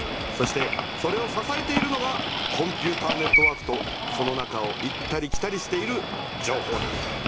そしてそれをささえているのがコンピューターネットワークとその中を行ったり来たりしている情報なんだ。